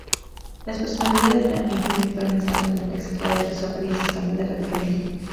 Las personalidades de Ami y Yumi fueron extremadamente exageradas y sus apariencias cambiadas radicalmente.